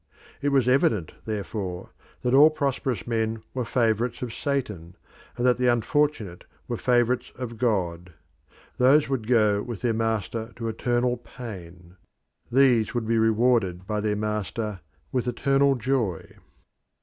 It was evident, therefore, that all prosperous men were favourites of Satan, and that the unfortunate were favourites of God. Those would go with their master to eternal pain: these would be rewarded by their master with eternal joy.